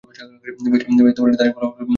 ব্যাস, তারই ফলাফল হচ্ছি আমি।